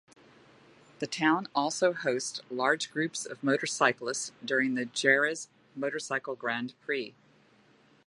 The town also hosts large groups of motorcyclists during the Jerez Motorcycle Grand Prix.